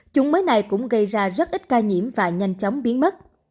chủng mới này cũng gây ra rất ít ca nhiễm và nhanh chóng biến mất